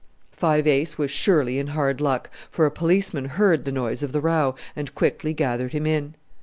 Five Ace was surely in hard luck, for a policeman heard the noise of the row, and quickly gathered him in.